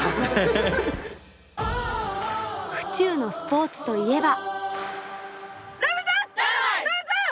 府中のスポーツといえば。